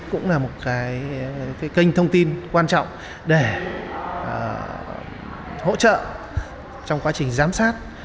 cũng là một kênh thông tin quan trọng để hỗ trợ trong quá trình giám sát